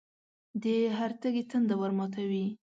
د هر تږي تنده ورماتوي.